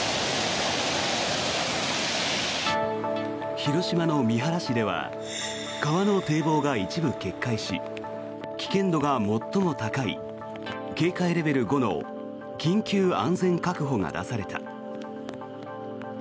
広島の三原市では川の堤防が一部決壊し危険度が最も高い警戒レベル５の緊急安全確保が出された。